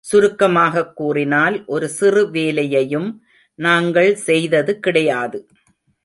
சுருக்கமாகக் கூறினால் ஒரு சிறு வேலையையும் நாங்கள் செய்தது கிடையாது.